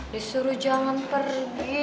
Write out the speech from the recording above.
disuruh jangan pergi